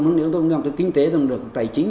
tôi cũng làm được kinh tế tôi cũng làm được tài chính